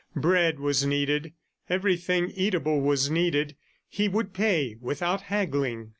Bread was needed, everything eatable was needed; he would pay without haggling.